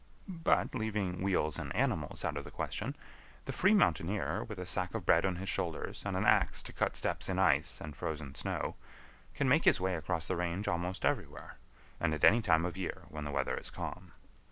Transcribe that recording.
But, leaving wheels and animals out of the question, the free mountaineer with a sack of bread on his shoulders and an ax to cut steps in ice and frozen snow can make his way across the range almost everywhere, and at any time of year when the weather is calm.